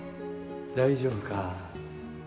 大丈夫か？